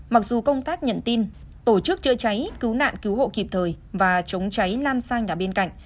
mặc dù công tác nhận tin tổ chức chữa cháy cứu nạn cứu hộ kịp thời và chống cháy lan sang nhà bên cạnh